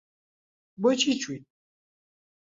بۆچی چویت؟